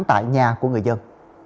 tại nhà của người dân